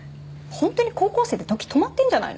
本当に高校生で時止まってんじゃないの？